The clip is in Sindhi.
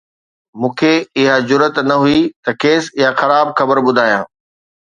مون کي اها جرئت نه هئي ته کيس اها خراب خبر ٻڌايان